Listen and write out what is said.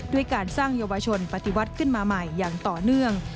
ด้วยการสร้างเยาวชนปฏิวัติขึ้นมาใหม่อย่างต่อเนื่อง